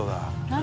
何？